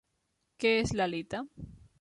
Què és l'halita?